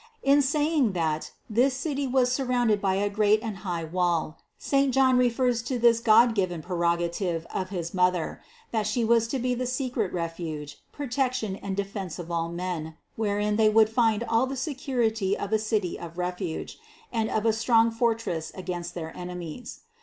In saying that this City was surrounded by a great and high wall St. John refers to this godgiven prerogative of his Mother, that She was to be the secret refuge, pro tection and defense of all men, wherein they would find all the security of a city of refuge and of a strong for tress against their enemies.